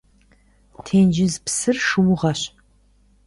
Тенджыз псыр шыугъэщ.